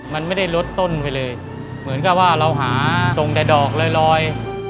มันไม่ได้ลดต้นไปเลยเหมือนกับว่าเราหาทรงแต่ดอกลอย